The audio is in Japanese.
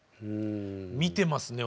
見てますね